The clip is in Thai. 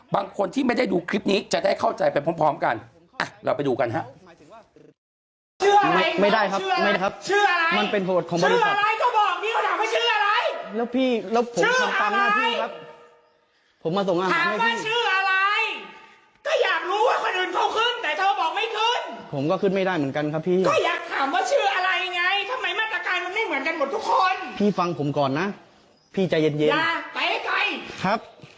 บางคนที่ไม่ได้ดูคลิปนี้จะได้เข้าใจไปพร้อมกันเราไปดูกันฮะ